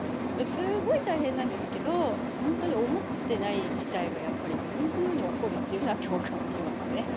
すごい大変なんですけど本当に思ってない事態がやっぱり毎日のように起こるっていうのは共感はしますね。